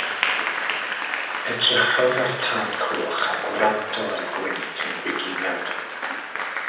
Edrychodd ar y tân coch a gwrando ar y gwynt yn bugunad.